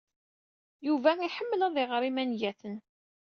Yuba iḥemmel ad iɣer imangaten.